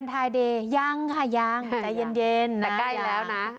วันวาเลนไทยเดยังค่ะยังใจเย็นใกล้แล้วนะ